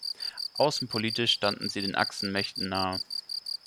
Außenpolitisch stand sie den Achsenmächten nahe.